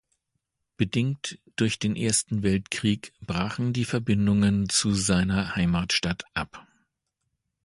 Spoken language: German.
Bedingt durch den Ersten Weltkrieg brachen die Verbindungen zu seiner Heimatstadt ab.